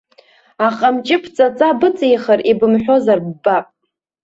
Аҟамчы ԥҵаҵа быҵихыр, ибымҳәозар ббап!